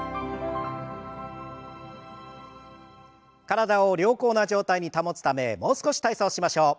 体を良好な状態に保つためもう少し体操しましょう。